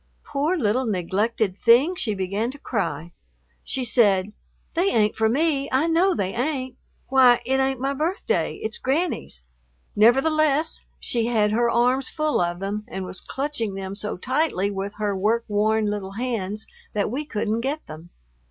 Poor little neglected thing, she began to cry. She said, "They ain't for me, I know they ain't. Why, it ain't my birthday, it's Granny's." Nevertheless, she had her arms full of them and was clutching them so tightly with her work worn little hands that we couldn't get them.